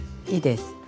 いいです。